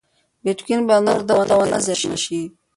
بېټکوین به نور دلته ونه زېرمه شي.